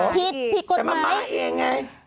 ผิดกฎหมายอีกแต่มันมาเองไงหรอ